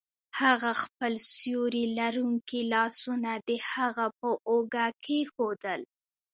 هغه خپل سیوري لرونکي لاسونه د هغه په اوږه کیښودل